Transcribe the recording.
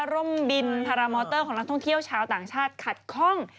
ร่มบินพารามอเตอร์ของนักท่องเที่ยวชาวต่างชาติขัดคล่อง